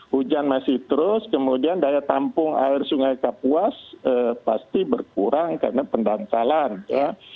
hujan masih terus kemudian daya tampung air sungai kapuas pasti berkurang karena pendangkalan ya